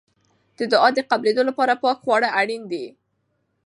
د دعا د قبلېدو لپاره پاکه خواړه اړین دي.